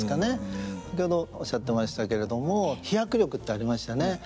先ほどおっしゃってましたけれども飛躍力ってありましたね。